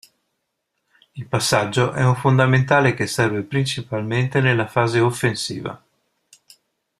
Il "passaggio" è un fondamentale che serve principalmente nella fase offensiva.